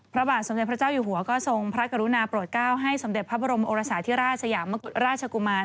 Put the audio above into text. พระบาทสมเด็จพระเจ้าอยู่หัวก็ทรงพระกรุณาโปรดเก้าให้สมเด็จพระบรมโอรสาธิราชสยามกุฎราชกุมาร